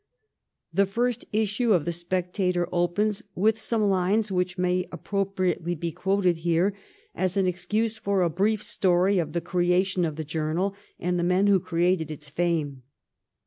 The first issue of 'The Spectator' opens with some lines which may ap propriately be quoted here as an excuse for a brief story of the origin of the journal and the men who created its fame.